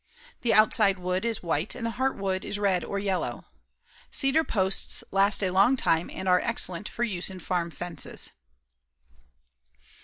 The outside wood is white and the heartwood is red or yellow. Cedar posts last a long time and are excellent for use in farm fences.